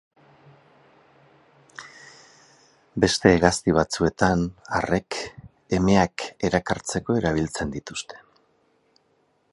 Beste hegazti batzuetan, arrek, emeak erakartzeko erabiltzen dituzte.